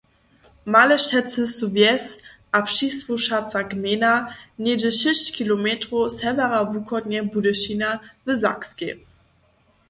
Malešecy su wjes a přisłušaca gmejna něhdźe šěsć kilometrow sewjerowuchodnje Budyšina w Sakskej.